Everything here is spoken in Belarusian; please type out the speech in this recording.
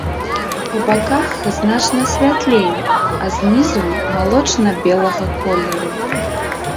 Па баках значна святлей, а знізу малочна-белага колеру.